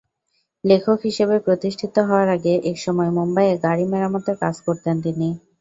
লেখক হিসেবে প্রতিষ্ঠিত হওয়ার আগে, একসময় মুম্বাইয়ে গাড়ি মেরামতের কাজ করতেন তিনি।